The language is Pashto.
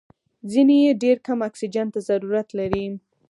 ځینې یې ډېر کم اکسیجن ته ضرورت لري.